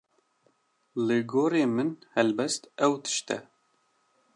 Li gorî min helbest ew tişt e